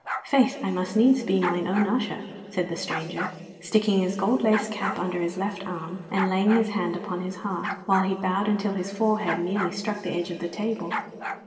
'Faith! I must needs be mine own usher,' said the stranger, sticking his gold laced cap under his left arm and laying his hand upon his heart, while he bowed until his forehead nearly struck the edge of the table.